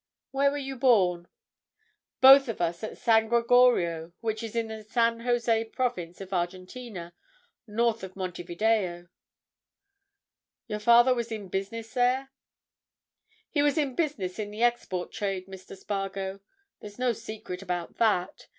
"Where were you born?" "Both of us at San Gregorio, which is in the San José province of Argentina, north of Monte Video." "Your father was in business there?" "He was in business in the export trade, Mr. Spargo. There's no secret about that.